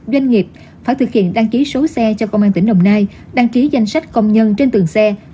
doanh nghiệp phải thực hiện đăng ký số xe cho công an tỉnh đồng nai đăng ký danh sách công nhân trên từng xe